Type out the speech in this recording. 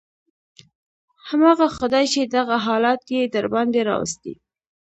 همغه خداى چې دغه حالت يې درباندې راوستى.